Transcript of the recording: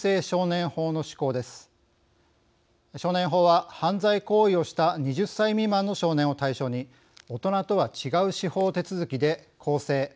少年法は犯罪行為をした２０歳未満の少年を対象に大人とは違う司法手続きで更生